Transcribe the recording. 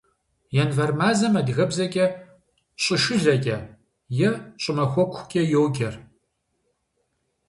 Январь мазэм адыгэбзэкӏэ щӀышылэкӏэ е щӀымахуэкукӏэ йоджэ.